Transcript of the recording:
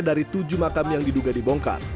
dari tujuh makam yang diduga dibongkar